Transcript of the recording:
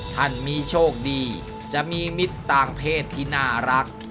ท่านมีโชคดีจะมีมิตรต่างเพศที่น่ารัก